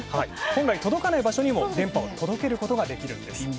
本来、届かない場所にも電波を届けることができるんです。